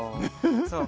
そう。